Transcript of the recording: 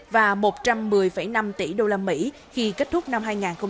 và một trăm một mươi năm tỷ usd khi kết thúc năm hai nghìn hai mươi